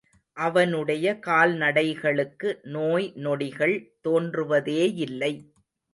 அவனுடைய கால்நடைகளுக்கு நோய்நொடிகள் தோன்றுவதேயில்லை.